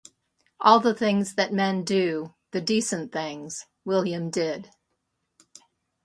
All the things that men do — the decent things — William did.